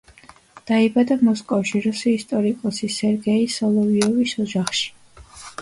დაიბადა მოსკოვში რუსი ისტორიკოსი სერგეი სოლოვიოვის ოჯახში.